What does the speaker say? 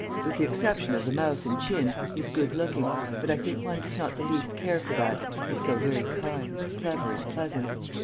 With the exception of the mouth and chin, he is good looking, but I think one does not the least care for that, he is so very kind, clever, and pleasant.